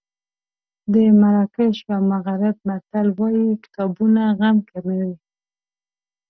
د مراکش یا مغرب متل وایي کتابونه غم کموي.